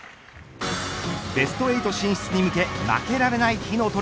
ベスト８進出に向け負けられない火の鳥